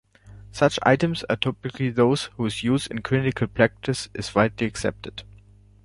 Such items are typically those whose use in clinical practice is widely accepted.